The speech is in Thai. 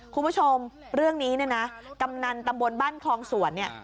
คุณผู้ชมเรื่องนี้นะกำนันตำบวนบ้านคลองสวน